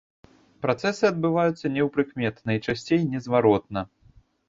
Працэсы адбываюцца неўпрыкмет, найчасцей незваротна.